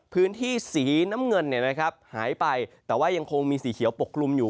พื้นที่สีน้ำเงินหายไปแต่ว่ายังคงมีสีเขียวปกกลุ่มอยู่